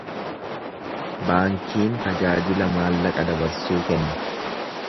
Baankiin tajaajila maallaqa dabarsuu kenna.